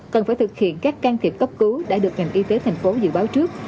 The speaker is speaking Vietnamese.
cần phải thực hiện các can thiệp cấp cứu đã được ngành y tế thành phố dự báo trước